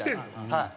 はい。